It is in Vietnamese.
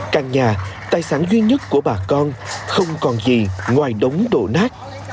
căn nhà tài sản duy nhất của bà con không còn gì ngoài đống đổ nát